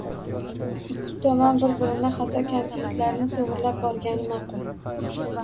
Ikki tomon bir-birining xato-kamchiliklarini to‘g‘rilab borgani ma’qul.